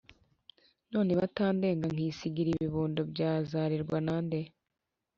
None batandenga Nkisigira ibibondo Byazarerwa na nde